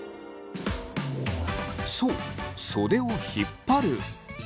そう袖を引っ張る。